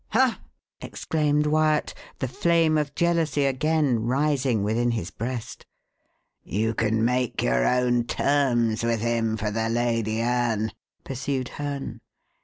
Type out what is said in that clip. "Ha!" exclaimed Wyat, the flame of jealousy again rising within his breast. "You can make your own terms with him for the Lady Anne," pursued Herne.